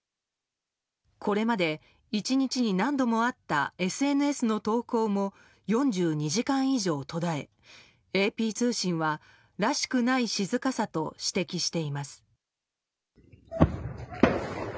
これまで１日に何度もあったＳＮＳの投稿も４２時間以上途絶えＡＰ通信は「らしくない静かさ」と指摘しています。